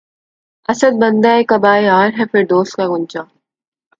اسد! بندِ قباے یار‘ ہے فردوس کا غنچہ